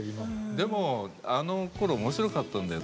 でもあのころ面白かったんだよ